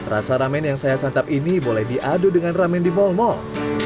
rasa ramen yang saya santap ini boleh diadu dengan ramen di mal mal